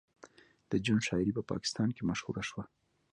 د جون شاعري په پاکستان کې مشهوره شوه